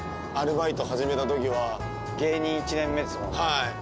はい。